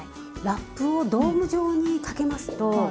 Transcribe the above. ラップをドーム状にかけますと。